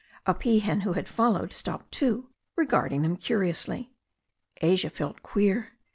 A peahen who had followed, stopped too, regarding them curiously. Asia felt queer.